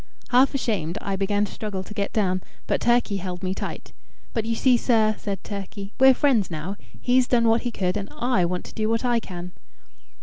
Half ashamed, I began to struggle to get down, but Turkey held me tight. "But you see, sir," said Turkey, "we're friends now. He's done what he could, and I want to do what I can."